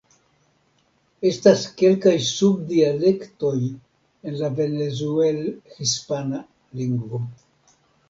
Estas kelkaj sub-dialektoj en la Venezuel-hispana lingvo.